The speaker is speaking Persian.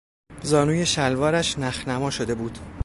زانوی شلوارش نخنما شده بود.